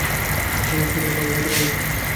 আমি এ সন্তানের বাবা হতে পারি না।